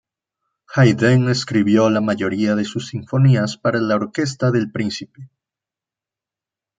Haydn escribió la mayoría de sus sinfonías para la orquesta del príncipe.